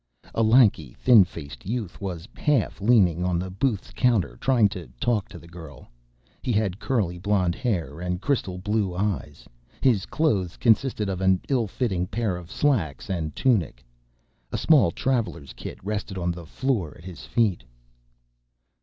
A lanky, thin faced youth was half leaning on the booth's counter, trying to talk to the girl. He had curly blond hair and crystal blue eyes; his clothes consisted of an ill fitting pair of slacks and tunic. A small traveler's kit rested on the floor at his feet.